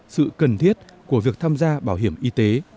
sự cần thiết của việc tham gia bảo hiểm y tế